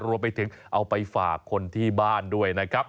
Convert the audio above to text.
รวมไปถึงเอาไปฝากคนที่บ้านด้วยนะครับ